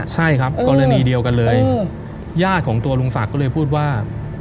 ใช่ครับกรณีเดียวกันเลยญาติของตัวลุงศักดิ์ก็เลยพูดว่า